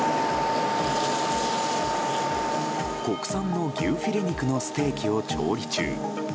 国産の牛フィレ肉のステーキを調理中。